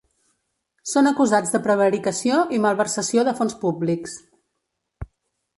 Són acusats de prevaricació i malversació de fons públics.